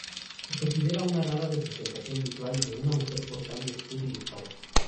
Se considera una rara representación visual de una mujer portando escudo y espada.